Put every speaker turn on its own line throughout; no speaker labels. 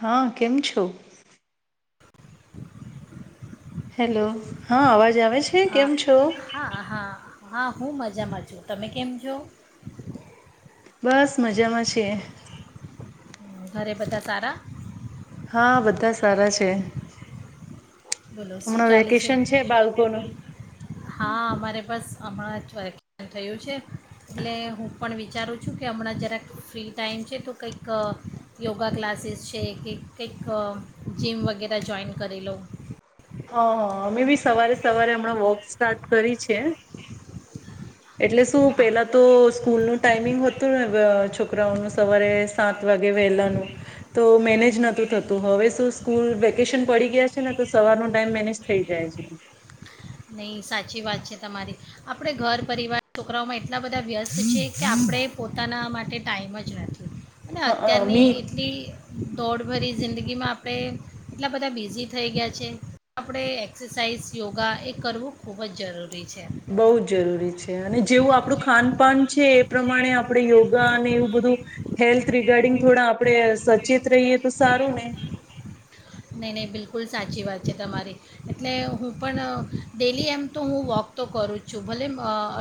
હં કેમ છો? હેલો, હં આવાજ
હા હા હા હા હું મજામાં છું. તમે કેમ છો?
બસ મજામાં છીએ
ઘરે બધા સારા
હા બધા સારા છે.
બોલો શું
હમણાં
ચાલે છે.
વેકેશન બાળકોનું
હા અમારે બસ હમણાં જ વેકેશન થયું છે. એટલે હું પણ વિચારું છું કે હમણાં જરાક ફ્રી ટાઈમ છે તો કંઈક યોગા ક્લાસીસ છે કે કંઈક જીમ વગેરે જોઈન કરી લઉં.
હા હા અમે બી સવારે સવારે હમણાં વોક સ્ટાર્ટ કરી છે. એટલે શું પેલા તો સ્કૂલનું ટાઈમિંગ હતું ને છોકરાઓનું સવારે સાત વાગે વહેલાનું તો મેનેજ નોતું થતું હવે શું સ્કૂલ વેકેશન પડી ગયા છે ને તો સવારનું ટાઈમ મેનેજ થઈ ગયા છે.
નહી સાચી વાત છે તમારી આપણે ઘર પરિવાર છોકરાઓમાં એટલા બધા વ્યસ્ત છે કે આપણે પોતાના માટે ટાઈમ જ નથી. અને
હ
અત્યારની
મી
એટલી દોડ ભરી જિંદગીમાં આપણે એટલા બધા બિઝી થઈ ગયા છે. આપણે એક્સરસાઇઝ, યોગા એ કરવું ખૂબ જ જરૂરી
બો જ જરૂરી છે અને જેવું આપડું ખાનપાન છે એ પ્રમાણે આપણે યોગા અને એવું બધું હેલ્થ રિગાર્ડિંગ થોડા આપણે સચેત રહીએ તો સારું ને
નહીં નહીં બિલકુલ સાચી વાત છે તમારી એટલે હું પણ ડેલી એમ તો હું વોક તો કરું જ છું. ભલે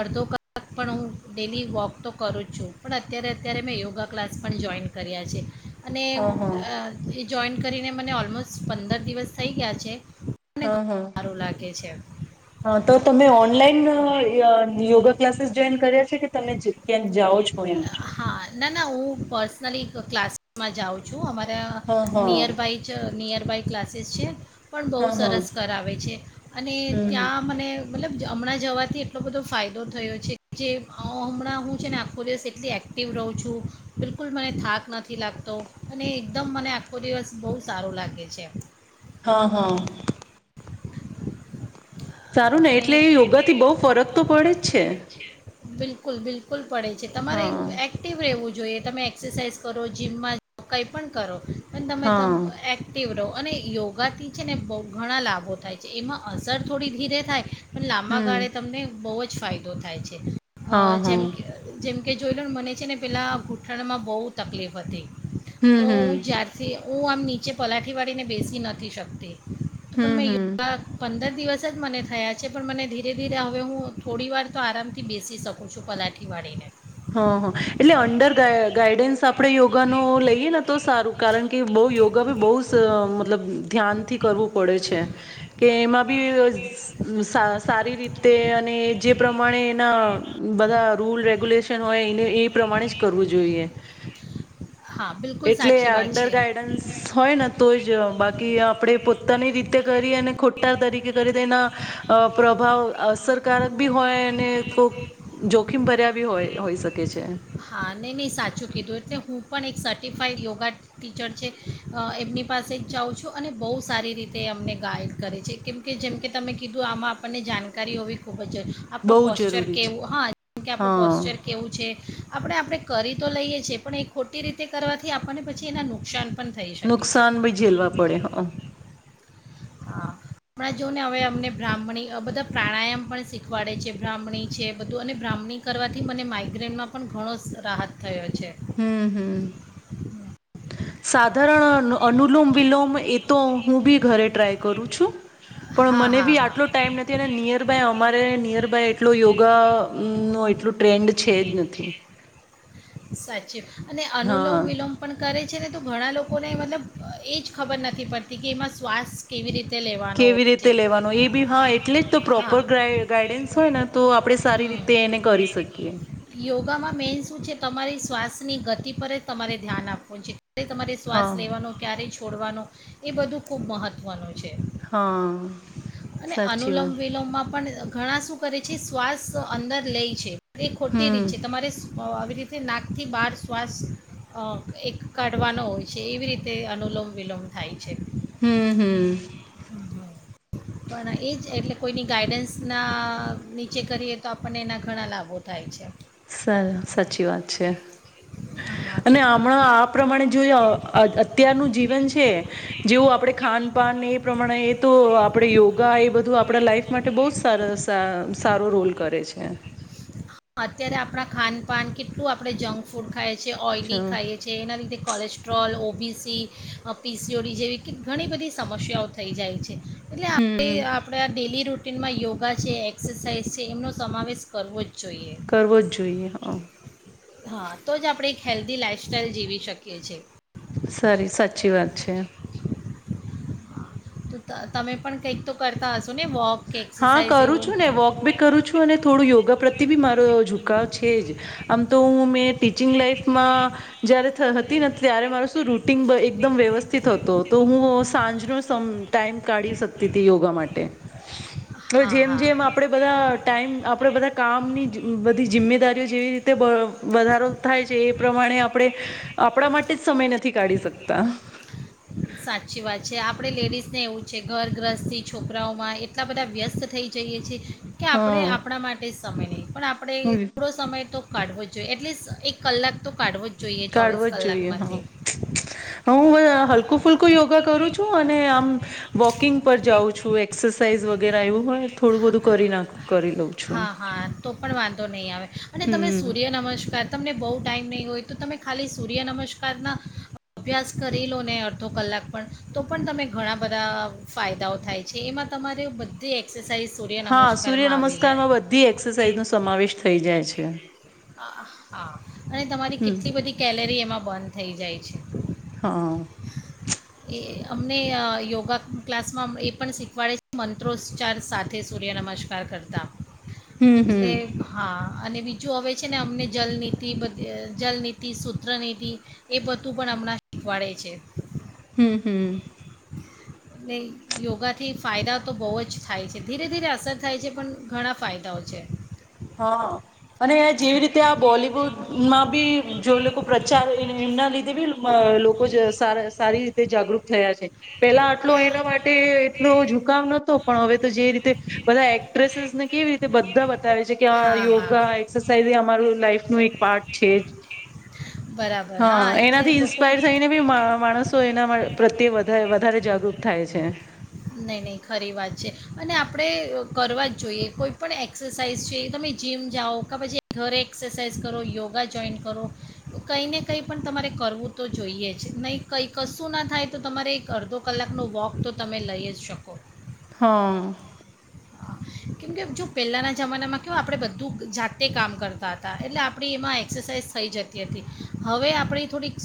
અડધો કલાક પણ હું ડેલી વોક તો કરું જ છું પણ અત્યારે અત્યારે મેં યોગા ક્લાસ પણ જોઈન કર્યા છે. અને
હા હા
અ જોઈન કરીને મને ઓલમોસ્ટ પંદર દિવસ થઈ ગયા છે.
હા હા
કે છે
હા તો તમે ઓનલાઈન ન યોગા ક્લાસીસ જોઈન કર્યા છે. કે તમે ક્યાંક જાઓ છો એમ
હા ના ના હું પ પર્સનલી એક ક્લાસમાં જાઉં છું. અમારે અ
હા હા
નીયર બાય ચ નીયર કઈક ક્લાસેસ છે પણ બહુ
હા હા
સરસ કરાવે છે અને
હમ
ત્યાં મને મતલબ હમણાં જવાથી એટલો બધો ફાયદો થયો છે જે હમણાં હું છે ને આખો દિવસ એટલી એક્ટિવ રહું છું. બિલકુલ મને થાક નથી લાગતો અને એકદમ મને આખો દિવસ બો સારો લાગે છે.
હા હા. સારું નહ
અને
એટલે યોગાથી બો ફરક તો પડે જ છે.
બિલકુલ બિલકુલ. પડે છે તમારે
હા
એક્ટિવ રહેવું જોઈએ તમે એક્સરસાઇઝ કરો જીમમાં કઈ પણ કરો. અન તમે તમ
હા
આક્ટિવ રહો. અને યોગાથી છે ને બહુ ઘણા લાભો થાય છે, એમાં અસર થોડી ધીરે થાય. પન લાંબા
હમ
ગાળે તમને બહુ જ ફાયદો થાય છે. હ,
હા હા
જેમ કેઅ જેમ કે જોઈ લોન મને છે ને પેલાં ગૂંઠણમાં બહુ તકલીફ હતી.
હમ
તો
હમ
હું જ્યારથી હું આમ નીચે પલાઠીવાળીને બેસી નથી શકતી. પન
હમ
મેં
હમ
યો દ્વારા પંદર દિવસ જ મને થયા છે, પણ મને ધીરે ધીરે હવે હું થોડી વાર તો આરામ થી બેસી શકું છું, પલાઠી વાળીને.
હ હ હ, એટલે અંડર ગાય ગાઈડન્સ આપડે યોગાનો લઈએ ને તો સારું કારણ કે, બહુ યોગ યોગા બી બહુ સર મતલબ અહમ ધ્યાનથી કરવું પડે છે. કેમાં બી અ ઉહમ સાસ સારી રીતે અને એ જે પ્રમાણે એના બધા રૂલ રેગ્યુલેશન તેનો હોય ઈને એ પ્રમાણે જ કરવું જોઈએ.
હા બિલકુલ
એટલે
સાચી વાત
અંડર
છે
ગાઈડન્સ હોય ને તો જ બાકી આપડે પોત પોતાની રીતે કરી અને ખોટા તરીકે કરે તો એના અ પ્રભાવ અસરકારક બી હોય અને કોક જોખીમ ભર્યા બી હોય હોઈ શકે છે.
હા, નહીં નહીં સાચું કીધું. એટલે હું પણ એક સર્ટિફાઈડ યોગા ટીચર છે, અ એમની પાસે જ જાઉં છું અને બહુ સારી રીતે અમને ગાઈડ કરે છે. કેમ કે જેમ કે તમે કીધું આમાં આપણને જાનકારી હોવી ખૂબ બચે. આપડો
બહુ
પોસ્ચર
જરૂરી છે
કેવું હા, કે આપડો
હા
પોસ્ચર કેવું છે આપડે આપડે કરી તો લઈએ છીએ, પણ એ ખોટી રીતે કરવાથી આપણને પછી એના નુકસાન પણ થઈ શકે છે
નુકસાન ભી ઝેલવા પડે. હક.
હા, હમણાં જો ને હવે અમને બ્રાહ્મની અ બધા પ્રાણાયામ પણ શીખવાડે છે. બ્રાહ્મની છે, બધું અને બ્રાહ્મની કરવાથી મને માઈગ્રેનમાં પણ ઘણો સ રાહત થયો છે.
હમ હમ.
હ.
સાધારણ અન અનુલોમ વિલોમ એ તો હું બી ઘરે ટ્રાય કરું છું. પણ
હા
મને
હા
બી આટલો
હા
ટાઈમ નથી અને નિયર બાય અમારે નિયર બાય ટલો યોગા નો એટલો ટ્રેન્ડ છે જ નથી.
સાત છે. અને અનુલોમ
હા
વિલોમ પણ કરે છે ને તો ઘણા લોકોને મતલબ અ એ જ ખબર નથી પડતી કે એમાં શ્વાસ કેવી રીત
કેવી રીતે લેવાન હ એ બી હ એક ટલે જ તો
હા
પ્રોપર ગાઈ ગાઈડેન્સ હોય ના તો આપણે સારી
હમ
રીતે એને કરી શકીએ. એટલે
યોગામાં મેન શું છે, તમારી શ્વાસની ગતિ પર જ તમારે ધ્યાન આપવું છે. એટલે તમારે શ્વાસ
હા
લેવાનો ક્યારે છે છોડવાનો એ બધું ખૂબ મહત્ત્વનું છે
હા
અને
સાચી
અનુલોમ
વાત.
વિલોમમાં પણ ઘણા શું કરે છે, શ્વાસ અંદર લેઇ છે ખોટી રીત
હમ
છે. તમારે સ અહ આવી રીતે નાકથી બહાર શ્વાસ અહ એક કાઢવાનો છે, એવી રીતે અનુલોમ વિલોમ થાય છે.
હમ્મ-હમ્મ.
પણ એ જ એટલે કોઈની ગાઈડન્સના નીચે કરીએ તો આપણને એના ઘણા લાભો થાય છે.
સર સાચી વાત છે.
હા તો
અને હમણાં આ પ્રમાણે જોય અહ અત્યારનું જીવન છે, જેવું આપણે ખાવાનું પાનને એ પ્રમાણે એ તો આપણે યોગા એ બધું આપણા લાઈફ માટે બહુ જ સરસ અહ સારો રોલ કરે છે.
અત્યારે આપણા ખાનપાન કેટલું આપણે જંક ફૂડ ખાય છે, ઓઈલી
અચ્છા
ખાઈએ છે, એના લીધે કોલેસ્ટ્રોલ ઓ પીસી અહ પી સી ઓ ડી જેવી ક ઘણી બધી સમસ્યાઓ થઈ જાય છે. એટલે આપણે
હમ
આપણા ડેલી રૂ ટીનમાં યોગા છે, એક્સરસાઇઝ છે, એમનો સમાવેશ કરવો જ જોઈએ
કરવો જ જોઈએ હા.
હા તો જ આપણે એક હેલ્ધી લાઈફસ્ટાઈલ જીવી શકીએ છે.
સારી સાચી વાત છે.
ત તમે પણ કંઈક તો કરતાં હશો ને વોક કે
હા
એક્સરસાઇઝ
કરું
એવું
છું ને વોક બી કરું છું, અને થોડું યોગા પ્રત્યે બી મારો ઝુકાવ છે જ, આમ તો હું મેં ટીચિંગ લાાઈફમાં જયારે થ હત તી ને ત્યારે મારો તો રૂટિન વ એકદમ વ્યવસ્થિત હતો. તો હું સાંજનો સ તમ ટાઈમ કાઢી શકતીતી યોગા માટે. હવે
હા હા
જેમ-જેમ આપણેે બધાં ટાઈમ આપણેે બધા કામની જિ બધી જિમ્મેદારીઓ જેવી તે બ વધારો થાય છે, એ પ્રમાણે આપણેે આપણા માટે જ સમય નથી કાઢી શકતા.
સાચી વાત છે. આપણે લેડિઝને એવું જ છે, ઘરગ્રહસ્થી, છોકરાઓમાં એટલા બધા વ્યસ્ત થઈ જઈએ છી કે આપણે
હા
આપણા માટે જ સમય નહી, પણ આપણે થોડો સમય તો કાઢવો જોઈએ એટલીસ્ટ એક કલાક તો કાઢવો જ જોઈએ ચોવીસ
કાઢવો જ જોઈએ હા
કલાકમાંથી
હ હું
હા
હલકું ફૂંલ ફૂલકુ યોગા કરું છું અને આમ વોકિંગ પર જાઉં છું એક્સરસાઇઝ વગેરે આવું હોય થોડું બધું કરી નાખું.
હા હા તો પણ વાંધો નહીં આવે અને તમે
હમ.
સૂર્ય નમસ્કાર તમને બવ ટાઈમ નહી હોય તો તમે ખાલી સૂર્ય નમસ્કાર ના અભ્યાસ કરી લો ને અડધો કલાક પણ તો પણ તમે ઘણા બધા ફાયદાઓ થાય છે. એમાં તમારે બધી એકસ સાહી સૂર્ય
હા સૂર્ય
નમસ્કારમાં આવી જાય.
નમસ્કારમાં બધી એક્સરસાઇઝ નો સમાવેશ થઈ જાય છે.
આ- હા અને તમારી
હમમ
કેટલી બધી કેલેરી એમાં બર્ન થઈ જાય છે.
હા અ
એ અમને અ યોગા ક્લાસમાં એ પણ શીખવાડે છે. મંત્રોચ્ચાર સાથે સૂર્ય નમસ્કાર કરતાં
હમ હમ
એટલે હા અને બીજું હવે છે ને અમને જલનીતિ બધી જલનીતિ, સૂત્રનીતિ એ બધું પણ હમણાં શીખવાડે છે.
હમમ હમમ
ને યોગાથી ફાયદા તો બવ જ થાય છે ધીરે ધીરે અસર થાય છે પણ ઘણા ફાયદાઓ છે.
હા અને જેવી રીતે આ બોલિવુડમાં બી જો લોકો પ્રચાર એમના લીધે તેવી મ લોકો સ સારી રીતે જાગૃત થયા છે. પેલા આટલો એના માટે એટલો ઝુકાવ નતો પણ હવે તો જે રીતે બધા એક્ટ્રેસીસને કેવી રીતે બધા બતાવે છે. કે આ
હા હા
યોગા એક્સરસાઈઝ અમારું લાઈફ નું એક પાર્ટ છે જ
બરાબર
હા
એટલે
એનાથી
લોકો
ઇન્સ્પાયર થઈને બી માણસો એના માં પ્રત્યે વધારે વધારે જાગૃત થાય છે.
નહીં નહીં ખરી વાત છે અને આપણે કરવા જ જોઈએ કોઈ પણ એક્સરસાઇઝ છે. તમે જીમ જાઓ, કા પછી ઘરે એક્સરસાઇઝ કરો, યોગા જોઈન કરો કંઈ ને કંઈ પણ તમારે કરવું તો જોઈએ જ નહીં કંઈ કશું ના થાય તો તમારે એક અડધો કલાકનો વોક તો તમે લઈ જ શકો.
હા
હા કેમકે જો પહેલાંના જમાનામાં કેવ આપણે બધું જાતે કામ કરતા હતા એટલે આપણી એમાં એક્સરસાઇઝ થઈ જતી હતી હવે આપણે થોડીક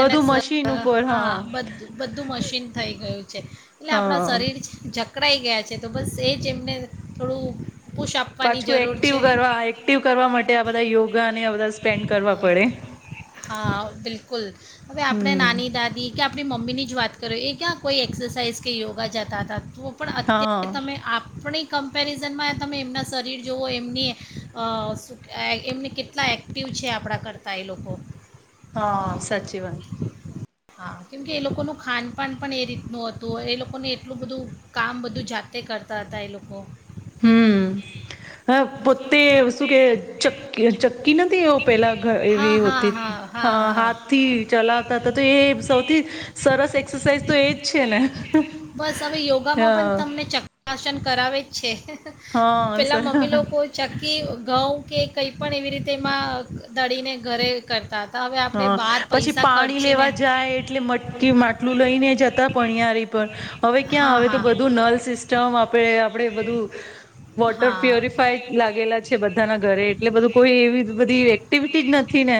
બધું મશીન ઉપર
હા બધું બધું મશીન થઈ ગયું છે એટલે આપણાં
હા
શરીર જક પકડાઈ ગયા છે તો બસ એ જ એમને થોડું પુશ આપવાની
પાછું
જરૂર
એક્ટિવ
છે
કરવા એક્ટિવ કરવા માટે આ બધા યોગાને બધા સ્પેન્ડ કરવા પડે.
હા બિલકુલ હવે આપણે
હમમ
નાની દાદી કે આપણી મમ્મીની જ વાત કરયે એ ક્યાં કોઈ એક્સરસાઇઝ કે યોગા જતા હતા. તો પણ
હા
અત્યારે તમે આપણી કમ્પેરિઝનમાં તમે એમના શરીર જોઓ એમની એમને કેટલા એક્ટિવ છે આપણા કરતાં એ લોકો
હા સાચી વાત.
હા કેમ કે એ લોકોનું ખાનપાન પણ એ રીતનું હતું. એ લોકોને એટલું બધું કામ બધું જાતે કરતા હતા એ લોકો
હમ્મ, હવે પોતે શું કે ચકી ચક્કી નથી એ પેલા ઘ એવી હોતી હા હાથ થી ચલાવતા તા તો એ છે. સૌથી સરસ એક્સરસાઇઝ તો એજ છે ને,
બસ હવે યોગામાં પણ
હા.
તમને ચક્રાસન કરાવે છે. પેલા મમ્મી
હા.
લોકો ચક્કી, ઘઉં કે કંઈ પણ એવી રીતે એમાં દળીને ઘરે કર તા તા હવે આપણે
હા
બહાર
પછી
પૈસા
પાણી
ખર્ચીને
લેવા જાય એટલે મટકી માટલું લઈને જતા. પણીયારી પણ. હવે ક્યાં
હા
હવે તો
હા
બધું નલ સિસ્ટમ આપણે આપણે બધું વોટર
હા
પ્યુરિફાય લાગેલા છે બધાના ઘરે, એટલે બધું કોઈ એવ બધી એક્ટિવિટી જ નથી ને.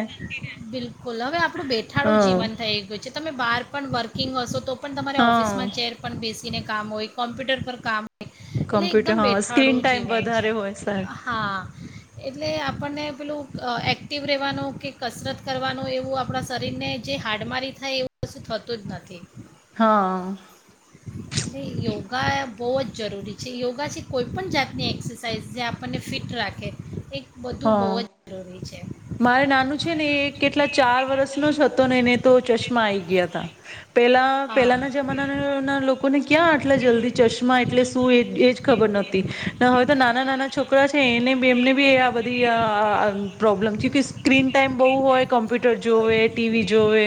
બિલકુલ હવે આપણું બેઠાડું
હા
જીવન થઈ ગયું છે. તમે બહાર પણ વર્ક કિંગ હશો તો પણ તમારે ઓફિસ માં
હા
ચેર પણ બેસ સીને કામ હોય, કમ્પ્યુટર પર કામ [unintelligible] એટલે
કમ્પ્યુટર
એકદમ
હા સ્ક્રીન
બેઠાડું
ટાઈમ
જીવાય,
વધારે હોય સર
હા એટલે આપણને અહ એક્ટિવ રહેવાનું કે કસરત કરવાનું એવું આપણા શરીરને જે હાડમારી થાય એવું વસ્તુ થતું જ નથી.
હા.
એટલે યોગા બહુ જ જરૂરી છે, યોગા છે કોઈપણ જાતની એક્સરસાઇઝ જે આપણને ફિટ રાખે. એક બધું બવ
હા
જ જરૂરી છે
મારે નાનું છે ને એ કેટલા ચાર વર્સનો જ હતો ને એને તો ચશ્મા આઈ ગયા તા. પેલા
હા
પહેલાના જમાના ના લોકોને ક્યાં આટલા જલ્દી ચશ્મા એટલે શું એ એજ ખબર નતી. ને હવે તો ના ના નાના છોકરા છે એને બી એમને બી આ બધ ધી અહ આ પ્રોબ્લેમ ક્યુંકી સ્ક્રીન ટાઈમ બવ હોય કોમ મ્પ્યુટર જોવે, ટીવી જોવે,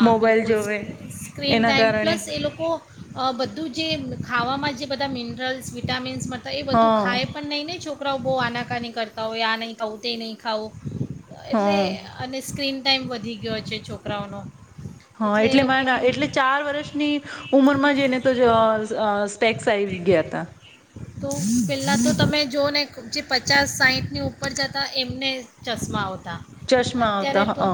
હા
મોબાઈલ
બિલકુલ
જોવે
સ્ક્રીન
એના
ટાઈમ
કારણે
પ્લસ એ લોકો અ, બધું જે ખાવામાં જે બધા મિનરલ્સ, વિટામીન્સ મળ તા એ બધું
હા
ખાય પણ નહી ને જો છો કરાઓ બહુ આનાકાની કરતા હોય આ નહીં ખાવું તે નહીં ખાવું. એટલે
હા.
અને સ્ક્રીન ટાઈમ વધી ગયો છે છોકરાઓનો.
હા
એ
એટલે માના
લોકોનું
એટલે ચાર વર્ષની ઉમરમાં જ એને તો જ અહ અહ સ્પેક્સ આવી ગયા તા.
તો પહેલાં તો તમે જોઓ ને જે પચાસ સાહીઠની ઉપર જતા એમને ચશ્મા આવ
ચશ્મા આવતા હઅ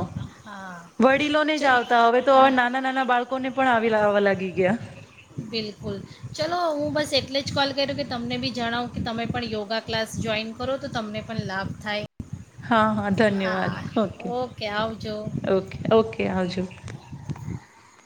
વડીલોને
ચલો
જ આવતા હવે તો હવે
હા
નાના નાના બાળકોને પણ આવી આવવા લાગી ગયા.
[unintelligible] ધારો કે તમને બી જણાવ કે તમે પણ યોગા ક્લાસ જોઈન કરો તો તમને પણ લાભ થાય.
હા હા ધન્યવાદ
હા
ઓકે ઓકે ઓકે આવજો.
[inaudible]